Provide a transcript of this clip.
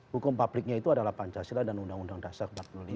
hukum publiknya itu adalah pancasila dan undang undang dasar empat puluh lima